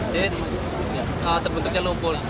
jadi terbentuknya lumpur